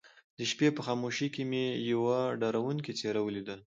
د شپې په خاموشۍ کې مې يوه ډارونکې څېره وليده.